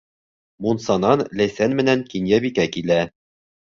Мунсанан Ләйсән менән Кинйәбикә килә.